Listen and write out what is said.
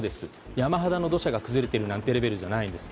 山肌の土砂が崩れてるなんていうレベルじゃないです。